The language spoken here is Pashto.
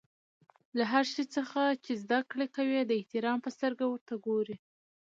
له هر شي څخه چي زدکړه کوى؛ د احترام په سترګه ورته ګورئ!